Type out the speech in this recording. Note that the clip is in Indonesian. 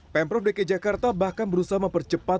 pemprov dki jakarta bahkan berusaha mempercepat